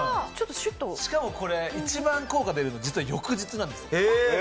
しかも一番効果が出るの、翌日なんですよ。